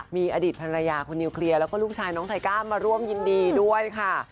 มีอดีตภรรยาคุณนิวเคลียร์แล้วก็ลูกชายน้องไทก้ามาร่วมยินดีด้วยค่ะ